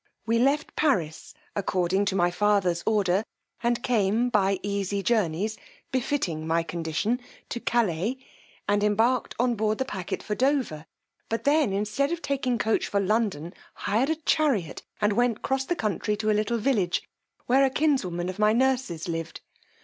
We left Paris, according to my father's order, and came by easy journeys, befitting my condition, to Calais, and embarked on board the packet for Dover; but then, instead of taking coach for London, hired a chariot, and went cross the country to a little village, where a kinswoman of my nurse's lived.